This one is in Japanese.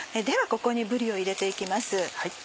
ではここにぶりを入れて行きます。